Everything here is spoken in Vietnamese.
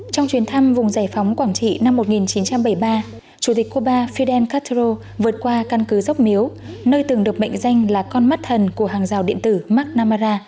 trong chuyến thăm vùng giải phóng quảng trị năm một nghìn chín trăm bảy mươi ba chủ tịch cuba fidel castro vượt qua căn cứ dốc miếu nơi từng được mệnh danh là con mắt thần của hàng rào điện tử marknamara